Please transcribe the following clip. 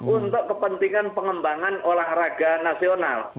untuk kepentingan pengembangan olahraga nasional